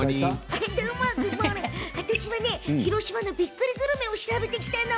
私は広島のびっくりグルメを調べてきたの。